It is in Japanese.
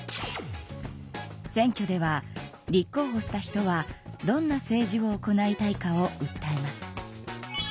選挙では立候ほした人はどんな政治を行いたいかをうったえます。